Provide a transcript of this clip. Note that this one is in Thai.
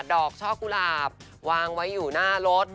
ดอกช่อกุหลาบวางไว้อยู่หน้ารถ